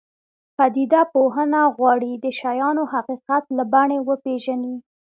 پدیده پوهنه غواړي د شیانو حقیقت له بڼې وپېژني.